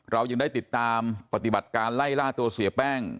เรายังได้ติดตามปฏิบัติการไล่ล่าตัวเสียแป้ง